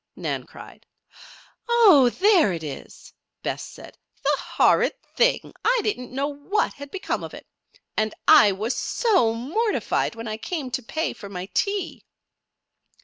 Nan cried. "Oh! there it is," Bess said. "The horrid thing! I didn't know what had become of it. And I was so mortified when I came to pay for my tea."